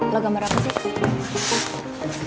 lo gambar apa sih